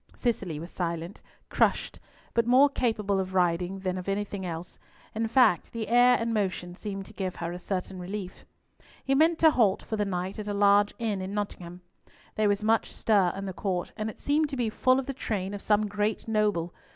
Cicely was silent, crushed, but more capable of riding than of anything else; in fact, the air and motion seemed to give her a certain relief. He meant to halt for the night at a large inn at Nottingham. There was much stir in the court, and it seemed to be full of the train of some great noble.